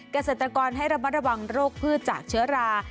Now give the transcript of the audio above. เกษตรกรให้ระมัดระวังโรคพืชจากเชื้อรา